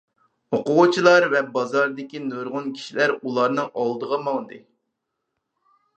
ئوقۇغۇچىلار ۋە بازاردىكى نۇرغۇن كىشىلەر ئۇلارنىڭ ئالدىغا ماڭدى.